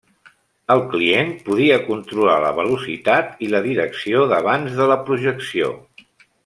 El client podia controlar la velocitat i la direcció d'avanç de la projecció.